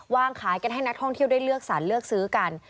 วางขายกันให้นักท่องเที่ยวได้เลือกสรรเลือกซื้อกัน